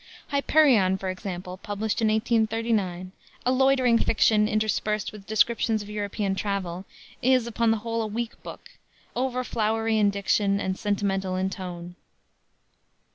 Hyperion, for example, published in 1839, a loitering fiction, interspersed with descriptions of European travel, is, upon the whole, a weak book, over flowery in diction and sentimental in tone.